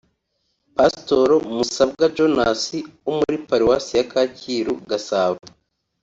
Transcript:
Pastori Musabwa Jonas wo muri Paruwasi ya Kacyiru (Gasabo)